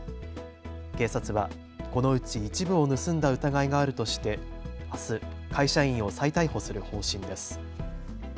警察はこのうち一部を盗んだ疑いがあるとしてあす会社員を再逮捕する方針です。